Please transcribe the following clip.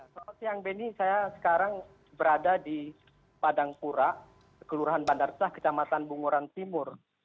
soal siang ini saya sekarang berada di padang pura kelurahan bandar cah kecamatan bungoran timur